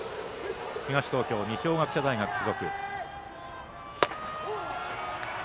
東東京、二松学舎大学付属。